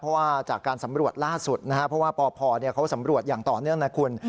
เพราะว่าจากการสำรวจล่าสุดนะครับเพราะว่าปพเขาสำรวจอย่างต่อเนื่องนะคุณ